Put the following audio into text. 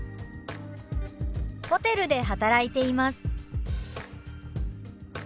「ホテルで働いています」。